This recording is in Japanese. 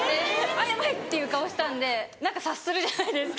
あっヤバい！っていう顔したんで何か察するじゃないですか。